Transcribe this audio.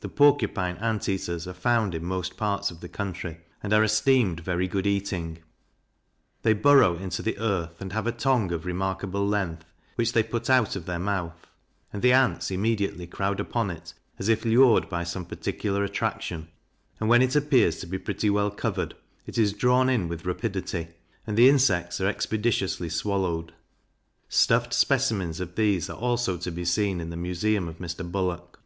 The Porcupine Ant eaters are found in most parts of the country, and are esteemed very good eating; they burrow in the earth, and have a tongue of remarkable length, which they put out of their mouth, and the ants immediately crowd upon it, as if lured by some particular attraction, and when it appears to be pretty well covered, it is drawn in with rapidity, and the insects are expeditiously swallowed. Stuffed specimens of these are also to be seen in the Museum of Mr. Bullock.